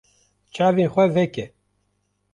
Çavên xwe veke.